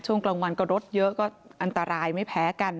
ช่วงกลางวันก็รถเยอะก็อันตรายไม่แพ้กัน